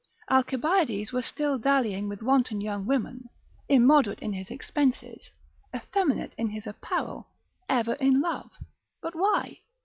Alcibiades was still dallying with wanton young women, immoderate in his expenses, effeminate in his apparel, ever in love, but why?